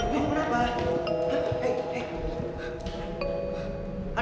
kakak mau ngerasain perhatian dari kakak